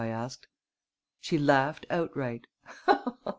I asked. She laughed outright.